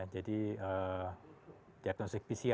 jadi diagnostik pcr itu